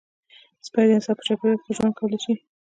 سپي د انسان په چاپېریال کې ښه ژوند کولی شي.